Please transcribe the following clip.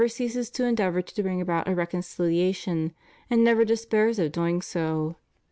81 ceases to endeavor to bring about a reconcOiation, and never despairs of doing so.